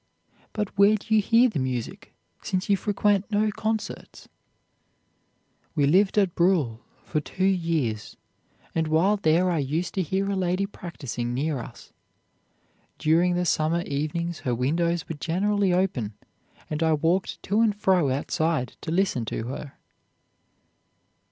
But where do you hear the music, since you frequent no concerts?' "'We lived at Bruhl for two years; and, while there, I used to hear a lady practicing near us. During the summer evenings her windows were generally open, and I walked to and fro outside to listen to her.'